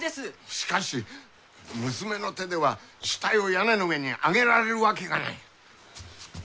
しかし娘の手では死体を屋根の上に上げられる訳がない。